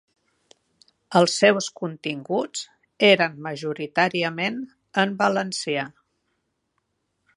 Els seus continguts eren majoritàriament en valencià.